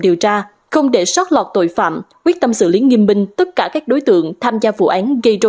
điều tra không để sót lọt tội phạm quyết tâm xử lý nghiêm binh tất cả các đối tượng tham gia vụ án gây